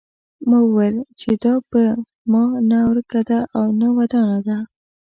ما وویل چې دا په ما نه ورکه ده او نه ودانه ده.